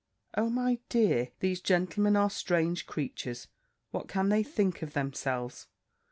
O, my dear, these gentlemen are strange creatures! What can they think of themselves?